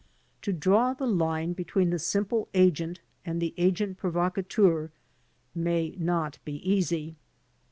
To draw the line between the simple agent and the agent provocateur may not be easy.